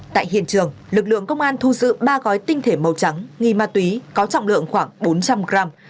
tại hiện trường lực lượng công an thu giữ ba gói tinh thể màu trắng nghi ma túy có trọng lượng khoảng bốn trăm linh gram